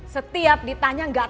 setiap ditanya gak tau gak tau